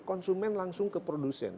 konsumen langsung ke produsen